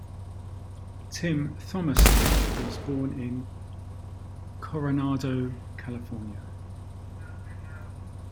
Tim Thomerson was born in Coronado, California.